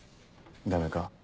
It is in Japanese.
ダメか。